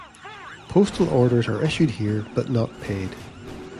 Postal orders are issued here, but not paid.